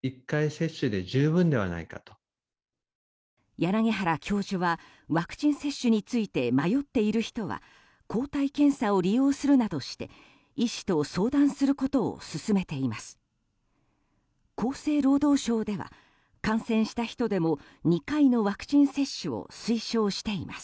柳原教授はワクチン接種について迷っている人は抗体検査を利用するなどして医師と相談することを勧めています。